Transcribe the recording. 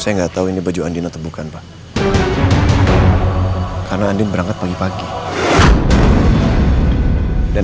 saya nggak tahu ini baju andino tebukan pak karena andi berangkat pagi pagi dan